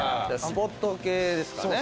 スポット系ですかね。